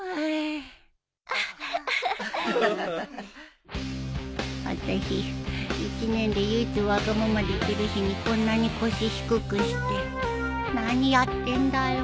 あたし１年で唯一わがままできる日にこんなに腰低くして何やってんだろ